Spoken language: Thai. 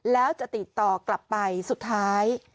แล้วจะติดต่อกลับไปสุดท้าย